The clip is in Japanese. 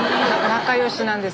仲良しなんです